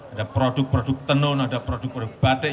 ada produk produk tenun ada produk produk batik